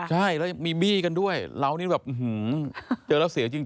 ใช่แล้วมีบี้กันด้วยเรานี่แบบอื้อหือ